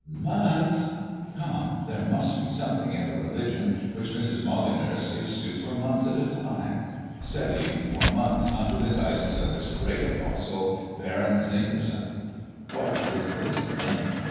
Months! Come; there must be something in a religion which Mrs. Molyneux sticks to for months at a time 'studying for months under the guidance of its great apostle Baron Zinkersen ' What is this name?